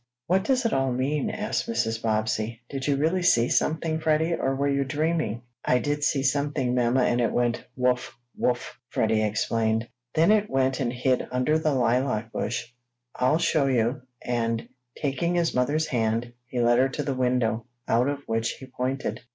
"What does it all mean?" asked Mrs. Bobbsey. "Did you really see something, Freddie, or were you dreaming?" "I did see something, mamma, and it went: 'Wuff! Wuff!'" Freddie explained. "Then it went and hid under the lilac bush. I'll show you," and, taking his mother's hand, he led her to the window, out of which he pointed.